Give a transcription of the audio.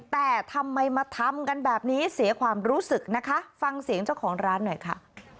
แต่ทำไมมาทำกันแบบนี้เสียความรู้สึกนะคะฟังเสียงเจ้าของร้านหน่อยค่ะ